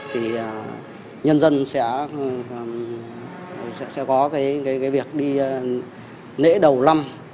thì nhân dân sẽ có cái việc đi lễ đầu năm